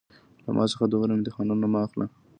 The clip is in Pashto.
له ما څخه دومره امتحانونه مه اخله